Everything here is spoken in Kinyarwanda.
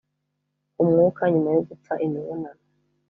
K umwuka nyuma yo gupfa imibonano